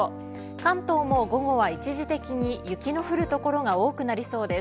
関東も午後は、一時的に雪の降る所が多くなりそうです。